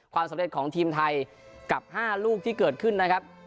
ความสำเร็จของทีมไทยกับ๕ลูกที่เกิดขึ้นนะครับ